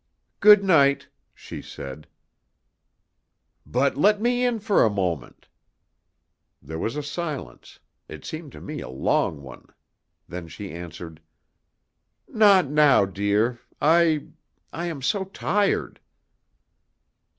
"Good night," she said. "But let me in for a moment." There was a silence it seemed to me a long one; then she answered: "Not now, dear; I I am so tired."